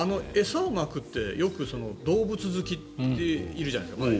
餌をまくってよく動物好きでいるじゃないですか。